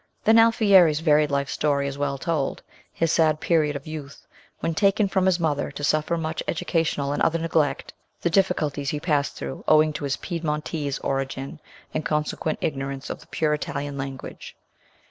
Then Alfieri's varied life story is well told, his sad period of youth, when taken from his mother to suffer much educational and other neglect, the difficulties he passed through owing to his Piedinontese origin and consequent ignorance of the pure Italian language.